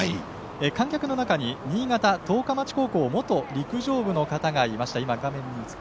観客の中に新潟・十日町高校元陸上部の方がいました。